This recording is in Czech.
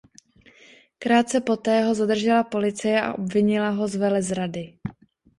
Krátce poté ho zadržela policie a obvinila ho z velezrady.